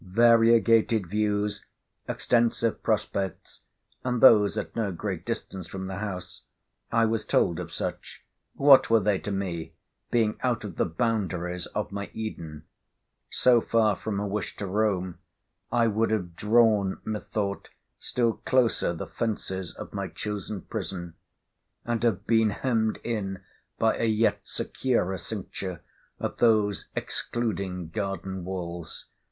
Variegated views, extensive prospects—and those at no great distance from the house—I was told of such—what were they to me, being out of the boundaries of my Eden?—So far from a wish to roam, I would have drawn, methought, still closer the fences of my chosen prison; and have been hemmed in by a yet securer cincture of those excluding garden walls.